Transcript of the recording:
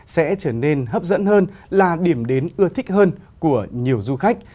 sẽ trở nên hấp dẫn hơn là điểm đến ưa thích hơn của nhiều du khách